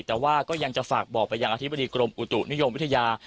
แต่ว่าก็ยังจะฝากบอกไปยังอธิบดีกรมอุตุนิยมวิทยา